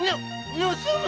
盗む！？